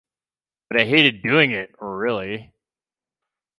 But I hated doing it really.